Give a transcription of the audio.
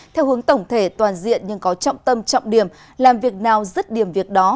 theo hướng tổng thể toàn diện nhưng có trọng tâm trọng điểm làm việc nào dứt điểm việc đó